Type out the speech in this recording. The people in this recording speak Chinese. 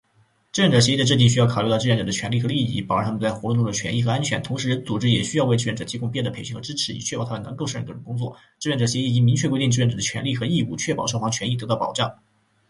志愿者协议的制定需要考虑到志愿者的权利和利益，保障他们在活动中的权益和安全。同时，组织也需要为志愿者提供必要的培训和支持，以确保他们能够胜任各种工作。志愿者协议应该明确规定志愿者的权利和义务，确保双方的权益得到保障。